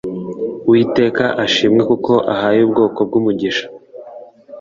Uwiteka ashimwe kuko ahaye ubwoko bwe umugisha